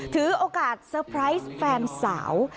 ถือโอกาสเตอร์ไพรส์แฟนสาว